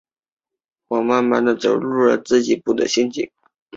此书先以抄本流传。